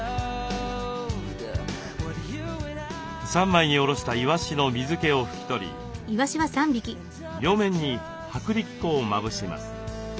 ３枚におろしたいわしの水けを拭き取り両面に薄力粉をまぶします。